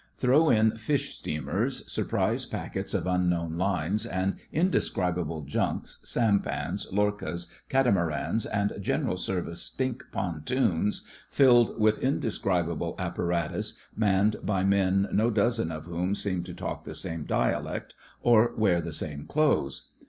Throw in fish steamers, sur prise packets of unknown lines and indescribable junks, sampans, lorchas, catamarans, and General Service stink pontoons filled with indescrib able apparatus, manned by men no dozen of whom seem to talk the same dialect or wear the same clothes.